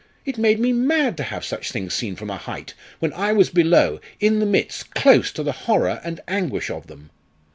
It made me mad to have such things seen from a height, when I was below in the midst close to the horror and anguish of them."